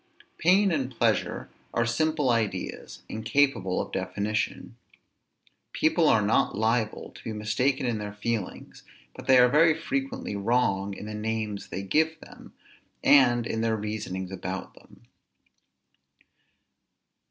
Pain and pleasure are simple ideas, incapable of definition. People are not liable to be mistaken in their feelings, but they are very frequently wrong in the names they give them, and in their reasonings about them.